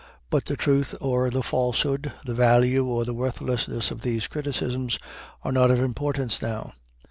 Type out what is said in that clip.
But the truth or the falsehood, the value or the worthlessness, of these criticisms are not of importance now.